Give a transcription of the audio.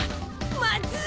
まずい！